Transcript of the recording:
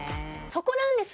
そこなんです！